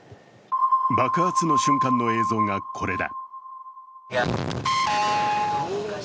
爆発の瞬間の映像が、これだ。